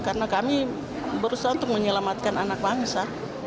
karena kami berusaha untuk menyelamatkan anak bangsa